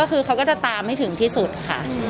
เค้าก็จะตามให้ถึงที่สุดค่ะ